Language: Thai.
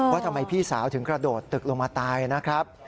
ว่าทำไมพี่สาวถึงกระโดดตึกลงมาตายนะครับ